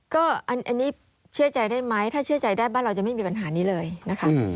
ก็อันนี้เชื่อใจได้ไหมถ้าเชื่อใจได้บ้านเราจะไม่มีปัญหานี้เลยนะคะ